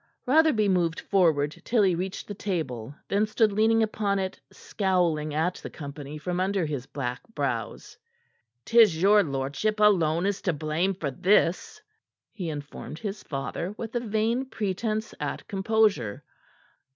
Rotherby moved forward till he reached the table, then stood leaning upon it, scowling at the company from under his black brows. "'Tis your lordship alone is to blame for this," he informed his father, with a vain pretence at composure.